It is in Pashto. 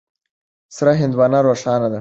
سره هندوانه روښانه ده.